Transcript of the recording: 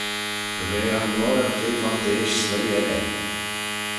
Dy ve almoragh jeh vondeish sleih elley.